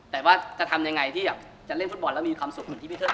แต่ว่าจะทำยังไงที่อยากจะเล่นฟุตบอลแล้วมีความสุขเหมือนที่พี่เทิด